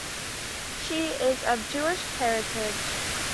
She is of Jewish heritage.